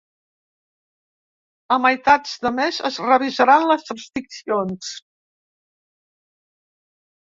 A meitats de mes es revisaran les restriccions.